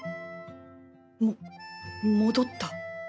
も戻った